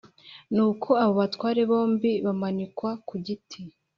Nuko abo batware bombi bamanikwa ku giti